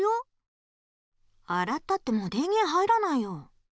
あらったってもう電げん入らないよ。